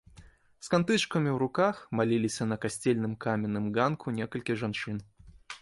З кантычкамі ў руках маліліся на касцельным каменным ганку некалькі жанчын.